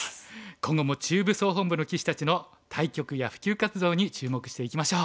今後も中部総本部の棋士たちの対局や普及活動に注目していきましょう。